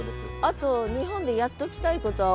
あと日本でやっときたいことは？